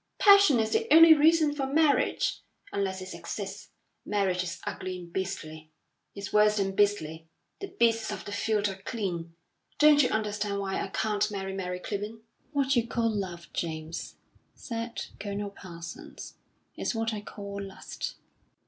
Passion is the only reason for marriage; unless it exists, marriage is ugly and beastly. It's worse than beastly; the beasts of the field are clean. Don't you understand why I can't marry Mary Clibborn?" "What you call love, James," said Colonel Parsons, "is what I call lust."